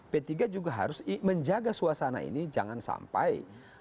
p tiga juga harus menjaga suasana ini jangan sampai